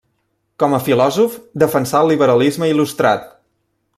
Com a filòsof, defensà el liberalisme il·lustrat.